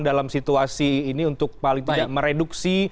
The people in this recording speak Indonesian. dalam situasi ini untuk paling tidak mereduksi